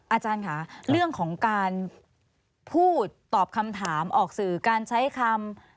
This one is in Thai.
อาจารย์ค่ะเรื่องของการพูดตอบคำถามออกสื่อการใช้คำ